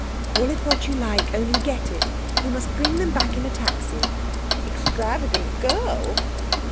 'Call it what you like, only get it. You must bring them back in a taxi.' 'Extravagant girl!'